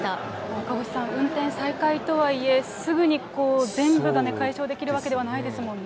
赤星さん、運転再開とはいえ、すぐに全部が解消できるわけではないですもんね。